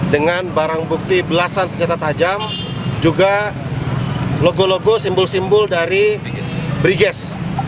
dengan barang bukti belasan senjata tajam juga logo logo simbol simbol dari briges